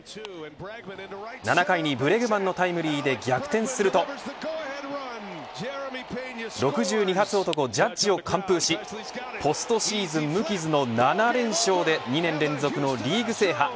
７回にブレグマンのタイムリーで逆転すると６２発男ジャッジを完封しポストシーズン無傷の７連勝で２年連続のリーグ制覇。